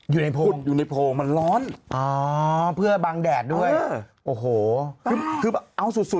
แล้วมันก็ขุดโพงเป็นเดินทรายแล้วก็เข้าไปอยู่